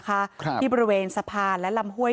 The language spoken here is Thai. เพราะบริเวณสะพานและลำห้วย